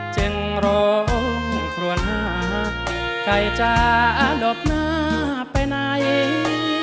เจ้งโรงขวนห้าใครจะหลบหน้าไปไหน